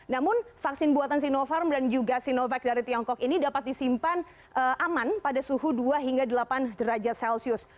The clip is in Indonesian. namun vaksin buatan sinopharm dan juga sinovac dari tiongkok ini dapat disimpan aman pada suhu dua hingga delapan derajat celcius